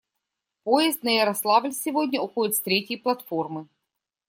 Поезд на Ярославль сегодня уходит с третьей платформы.